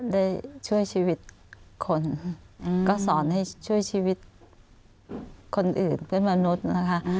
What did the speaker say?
ได้ช่วยชีวิตคนก็สอนให้ช่วยชีวิตคนอื่นเพื่อนมนุษย์นะคะ